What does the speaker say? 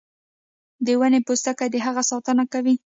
د ونې پوستکی د هغې ساتنه کوي